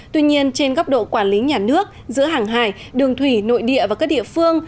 tuy nhiên trên góc độ quản lý nhà nước giữa hàng hải đường thủy nội địa và các địa phương